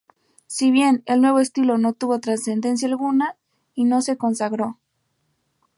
Si bien, el nuevo estilo no tuvo trascendencia alguna y no se consagró.